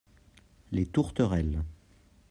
Les tourterelles.